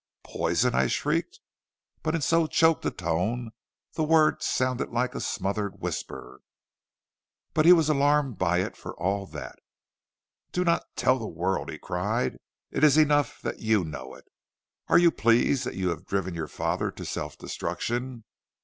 "'Poison!' I shrieked, but in so choked a tone the word sounded like a smothered whisper. "But he was alarmed by it for all that. "'Do not tell the world,' he cried. 'It is enough that you know it. Are you pleased that you have driven your father to self destruction?